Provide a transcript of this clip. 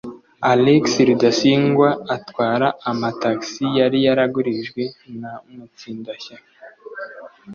Alexis Rudasingwa atwara ama taxi yari yaraguriwe na Mutsindashyaka